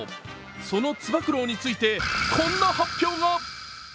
そのつば九郎についてこんな発表が。